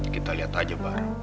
kita lihat aja baru